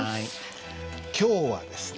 今日はですね。